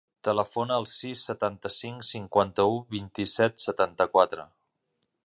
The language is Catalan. Telefona al sis, setanta-cinc, cinquanta-u, vint-i-set, setanta-quatre.